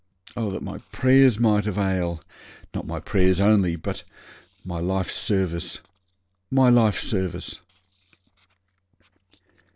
Oh that my prayers may avail not my prayers only, but my life's service my life's service.'